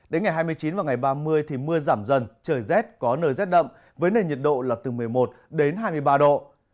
đến ngày hai mươi chín và ngày ba mươi thì mưa giảm dần trời rét có nơi rét đậm với nền nhiệt độ là từ một mươi một đến hai mươi ba độ